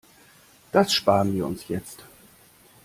Das spar'n wir uns jetzt.